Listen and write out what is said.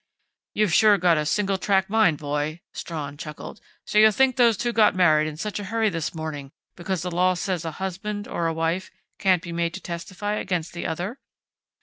"You've sure got a single track mind, boy," Strawn chuckled. "So you think those two got married in such a hurry this morning because the law says a husband or a wife can't be made to testify against the other?"